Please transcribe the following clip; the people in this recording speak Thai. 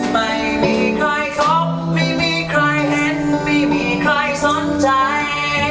ไม่มีใครทบไม่มีใครเห็นไม่มีใครสนใจ